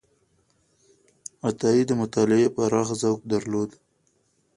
عطایي د مطالعې پراخ ذوق درلود.